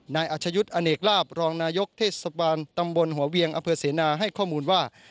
อาชยุทธ์อเนกลาบรองนายกเทศบาลตำบลหัวเวียงอำเภอเสนาให้ข้อมูลว่า